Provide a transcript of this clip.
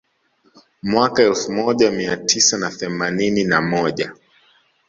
Mwaka elfu moja mia tisa na themanini na moja